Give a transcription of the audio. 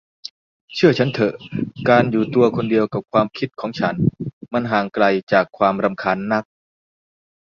เชื่อฉันเถอะ การอยู่ตัวคนเดียวกับความคิดของฉัน มันห่างไกลจากความรำคาญนัก